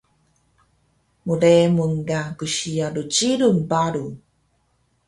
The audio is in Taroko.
Mremun ka qsiya rcilung paru